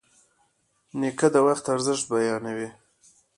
نیکه د وخت ارزښت بیانوي.